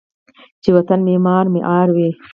چې و طن معمار ، معمار وی